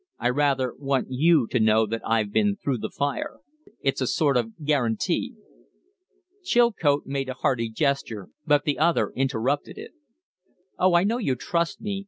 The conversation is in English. I rather want you to know that I've been through the fire. It's a sort of guarantee." Chilcote made a hasty gesture, but the other interrupted it. "Oh, I know you trust me.